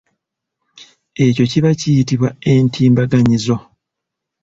Ekyo kiba kiyitibwa entimbaganyizo.